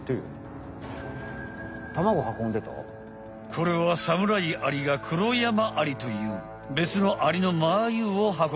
これはサムライアリがクロヤマアリというべつのアリのマユを運んでいるんだ。